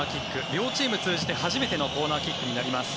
両チーム通じて初めてのコーナーキックになります。